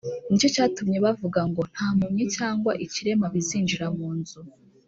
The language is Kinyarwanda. Ni cyo cyatumye bavuga ngo “Nta mpumyi cyangwa ikirema bizinjira mu nzu.”